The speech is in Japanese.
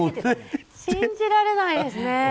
信じられないですね。